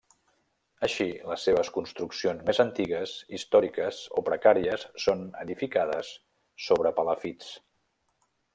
Així les seves construccions més antigues, històriques o precàries són edificades sobre palafits.